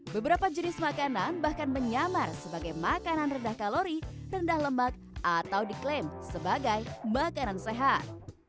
beberapa jenis makanan bahkan menyamar sebagai makanan rendah kalori rendah lemak atau diklaim sebagai makanan sehat